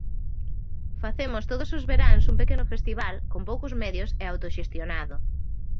Facemos todos os veráns un pequeno festival, con poucos medios e autoxestionado.